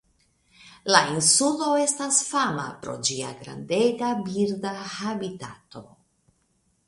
La insulo estas fama pro ĝia grandega birda habitato.